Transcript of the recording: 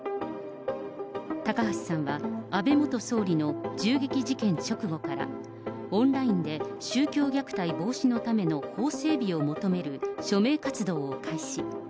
高橋さんは、安倍元総理の銃撃事件直後から、オンラインで宗教虐待防止のための法整備を求める署名活動を開始。